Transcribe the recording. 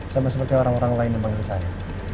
sama seperti orang orang lain yang memanggil saya